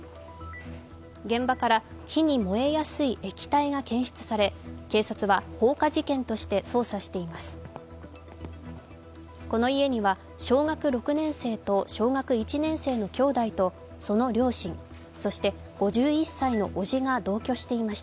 現場から火に燃えやすい液体が検出され警察は放火事件として捜査しています。